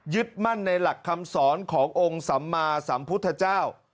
มั่นในหลักคำสอนขององค์สัมมาสัมพุทธเจ้า